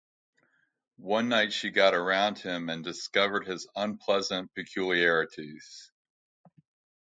One night she got around him and discovered his unpleasant peculiarities.